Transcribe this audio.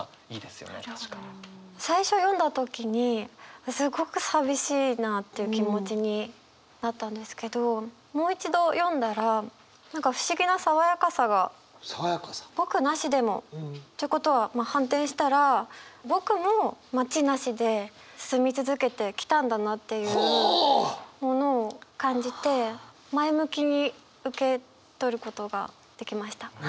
最初読んだ時にすごく寂しいなっていう気持ちになったんですけどもう一度読んだら「ぼくなしでも」っていうことは反転したらぼくも街なしで住み続けてきたんだなっていうものを感じて前向きに受け取ることができました。